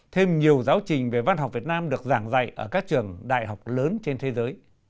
thêm nhiều giáo trình về văn học việt nam được giảng dạy ở các trường đại học lớn trên thế giới